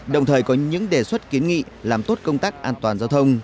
đồng thời có những đề xuất kiến nghị làm tốt công tác an toàn giao thông